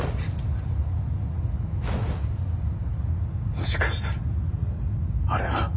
もしかしたらあれは。